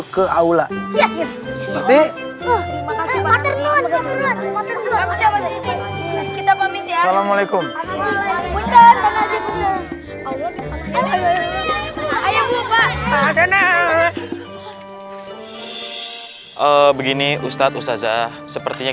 ke aula yes masih kita pamit ya assalamualaikum ayo mbak mbak begini ustadz ustadz ah sepertinya